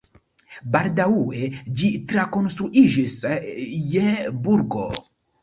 Baldaŭe ĝi trakonstruiĝis je burgo.